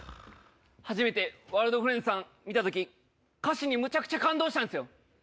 初めてワールドグレイスさん見たとき、歌詞にむちゃくちゃ感動したんですよ。